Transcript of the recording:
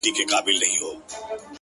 بيا د تورو سترګو و بلا ته مخامخ يمه؛